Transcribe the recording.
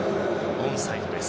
オンサイドです。